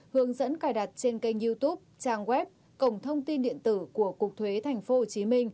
hướng dẫn cài đặt trên kênh youtube trang web cổng thông tin điện tử của cục thuế tp hcm